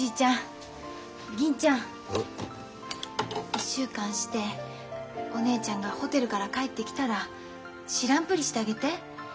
１週間してお姉ちゃんがホテルから帰ってきたら知らんぷりしてあげて。